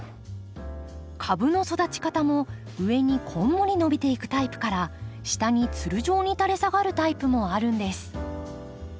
株の育ち方も上にこんもり伸びていくタイプから下につる状に垂れ下がるタイプもあるんです。